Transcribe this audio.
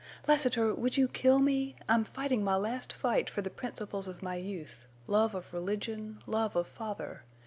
"Lassiter, would you kill me? I'm fighting my last fight for the principles of my youth—love of religion, love of father.